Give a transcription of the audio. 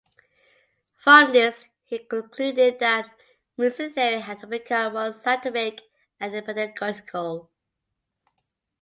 From this he concluded that music theory had to become more scientific and pedagogical.